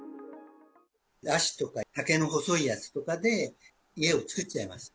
あしとか竹の細いやつとかで、家を作っちゃいます。